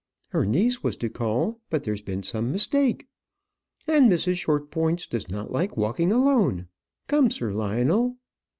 Her niece was to call; but there's been some mistake. And Mrs. Shortpointz does not like walking alone. Come, Sir Lionel."